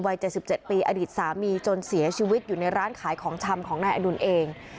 ๗๗ปีอดีตสามีจนเสียชีวิตอยู่ในร้านขายของชำของนายอดุลเอง